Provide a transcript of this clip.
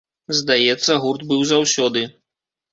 Здаецца, гурт быў заўсёды.